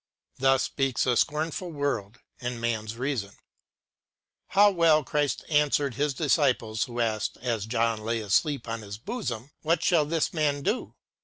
Thus speaks a scornful world and man's reason. How well Christ answered His disciples who asked, as John lay asleep on His bosom, " What shall this man do